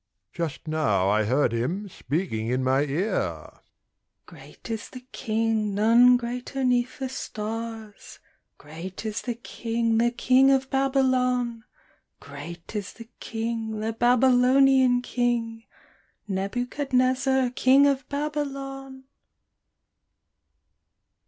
— Just now I heard him speaking in my ear :' Great is the King — none greater 'neath the stars ! Great is the King — the King of Babylon ! Great is the King — the Babylonian King ! Nebuchadnezzar, King of Babylon